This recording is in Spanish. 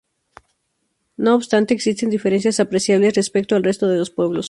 No obstante existen diferencias apreciables respecto al resto de pueblos.